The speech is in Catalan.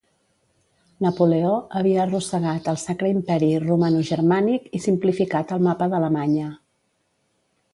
Napoleó havia arrossegat el Sacre Imperi romanogermànic i simplificat el mapa d'Alemanya.